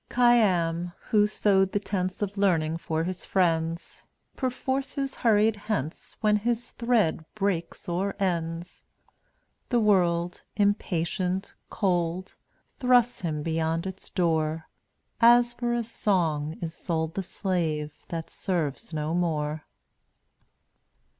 1 76 Khayyam, who sewed the tents Of learning for his friends, Perforce is hurried hence When his thread breaks or ends. The world, impatient, cold, Thrusts him beyond its door, As for a song is sold The slave that serves no more.